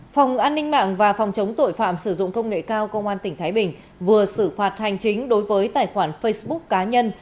phòng an ninh mạng và phòng chống tội phạm sử dụng công nghệ cao công an tỉnh thái bình vừa xử phạt hành chính đối với tài khoản facebook cá nhân